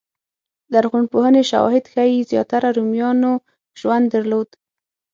لرغونپوهنې شواهد ښيي زیاتره رومیانو ژوند درلود